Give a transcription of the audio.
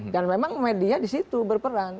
dan memang media di situ berperan